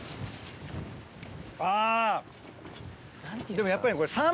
でもやっぱりこれ。